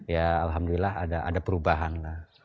ya alhamdulillah ada perubahan lah